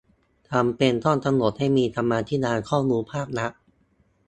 จำเป็นต้องกำหนดให้มีธรรมาภิบาลข้อมูลภาครัฐ